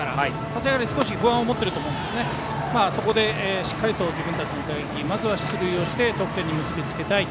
立ち上がりに少し不安を持っていると思いますのでそこでしっかりと自分たちの打撃をしてまずは出塁して得点に結び付けたい。